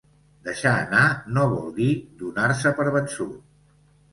Deixar anar no vol dir donar-se per vençut.